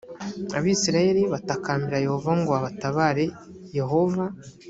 abisirayeli batakambira yehova ngo abatabare yehova